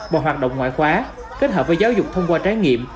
và hoạt động ngoại khóa kết hợp với giáo dục thông qua trải nghiệm